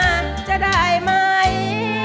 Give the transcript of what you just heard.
ร่วงนาจะได้ไหม